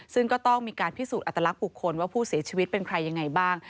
ซึ่งก็ต้องมีการพิสูจน์อัตลักษณ์บุคคลว่าผู้เสียชีวิตเป็นใครยังไงบ้าง